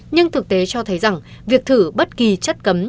nhưng thực tế cho thấy rằng việc thử bất kỳ chất cấm